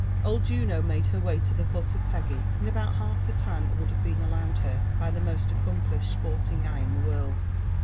Old Juno made her way to the hut of Peggy in about half the time that would have been allowed her by the most accomplished spotting «ye in the world.